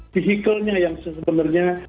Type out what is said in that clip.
vehicle nya yang sebenarnya